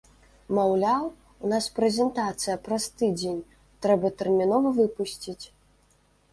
Маўляў, у нас прэзентацыя праз тыдзень, трэба тэрмінова выпусціць.